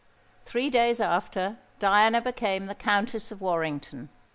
Three days after, Diana became the Countess of Warrington.